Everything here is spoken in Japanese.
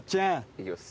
行きます。